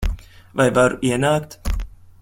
Vai varu ienākt?